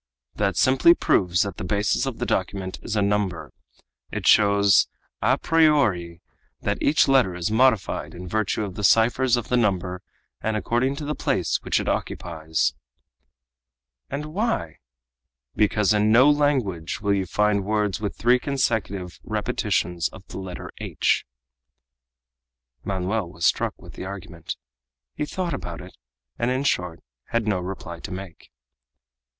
"That simply proves that the basis of the document is a number. It shows à priori that each letter is modified in virtue of the ciphers of the number and according to the place which it occupies." "And why?" "Because in no language will you find words with three consecutive repetitions of the letter h." Manoel was struck with the argument; he thought about it, and, in short, had no reply to make.